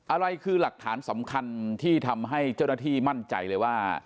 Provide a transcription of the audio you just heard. อะไรคือหลักฐานสำคัญที่ทำให้เจ้าหน้าที่มั่นใจเลยว่า